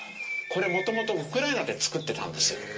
これ元々ウクライナで造ってたんですよ。